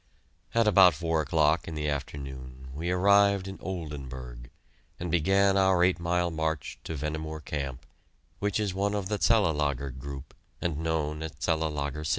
At about four o'clock in the afternoon, we arrived in Oldenburg, and began our eight mile march to Vehnemoor Camp, which is one of the Cellelager group and known as Cellelager VI.